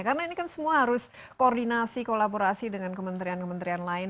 karena ini kan semua harus koordinasi kolaborasi dengan kementerian kementerian lain